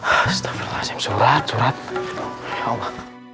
astagfirullahaladzim surat surat ya allah